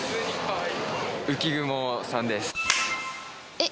えっ？